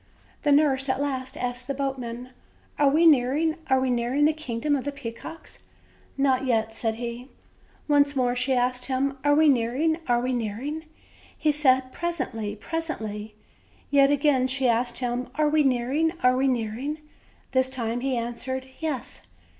The nurse at last asked the boatman: "Are we nearing, are we nearing the kiugdom of the peacocks?" "Not yet," said he. Once more she asked him: "Are we nearing, are we nearing?" He said: "Presently, presently." Yet again she asked him: "Are we nearing, are we nearing?" This time he answered: "Yes."